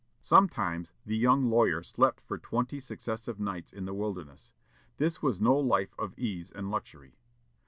Sometimes the young lawyer slept for twenty successive nights in the wilderness. This was no life of ease and luxury.